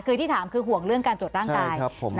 คือที่ถามคือห่วงเรื่องการตรวจร่างกาย